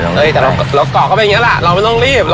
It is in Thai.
เรามักกรอกไปเองนะเราไม่ต้องรีบ